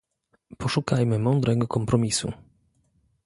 Poszukajmy mądrego kompromisu